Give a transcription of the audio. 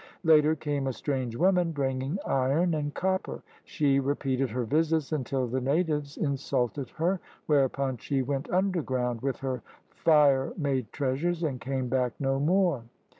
Later came a strange woman bringing iron and copper. She repeated her visits until the natives insulted her, whereupon she went underground with her fire made treasures and came back no more.